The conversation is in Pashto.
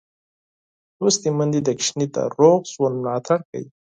لوستې میندې د ماشوم د روغ ژوند ملاتړ کوي.